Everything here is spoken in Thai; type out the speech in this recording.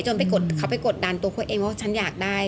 เขาไปกดดันตัวเขาเองว่าฉันอยากได้